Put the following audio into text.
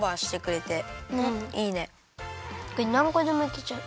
これなんこでもいけちゃう。